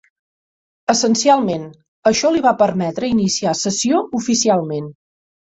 Essencialment, això li va permetre iniciar sessió oficialment.